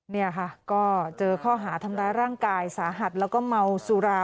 นี่ค่ะก็เจอข้อหาทำร้ายร่างกายสาหัสแล้วก็เมาสุรา